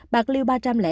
bạc liêu ba trăm linh năm